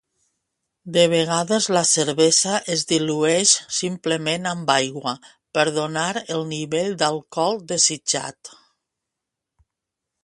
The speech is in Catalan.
De vegades la cervesa es dilueix simplement amb aigua per donar el nivell d'alcohol desitjat.